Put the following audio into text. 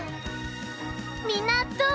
みんなどう？